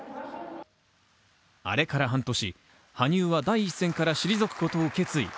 あれから半年、羽生は第一線から退くことを決意。